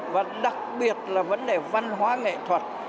và đặc biệt là vấn đề văn hóa nghệ thuật